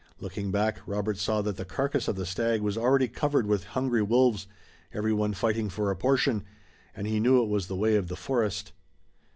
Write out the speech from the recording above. Looking back, Robert saw that the carcass of the stag was already covered with hungry wolves, every one fighting for a portion, and he knew it was the way of the forest.